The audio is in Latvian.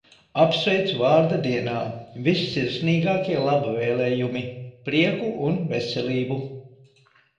Apsveicu vārda dienā. Vissirsnīgākie laba vēlējumi. Prieku un veselību!